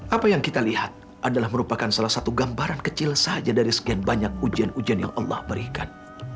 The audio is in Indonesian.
apa yang kita lihat adalah merupakan salah satu gambaran kecil saja dari sekian banyak ujian ujian yang allah berikan